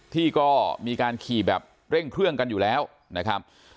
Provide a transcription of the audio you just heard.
ที่ก็มีการขี่แบบเร่งเครื่องกันอยู่แล้วนะครับ